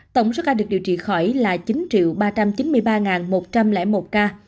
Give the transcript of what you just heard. tổng số ca được điều trị khỏi là chín ba trăm chín mươi ba một trăm linh một ca